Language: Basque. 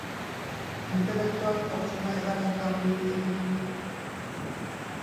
Intelektoak pertsona erakargarri egiten du?